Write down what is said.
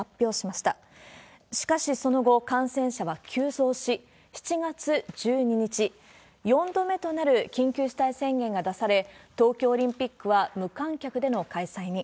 しかしその後、感染者は急増し、７月１２日、４度目となる緊急事態宣言が出され、東京オリンピックは無観客での開催に。